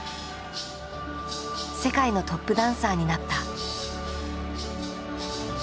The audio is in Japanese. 世界のトップダンサーになった。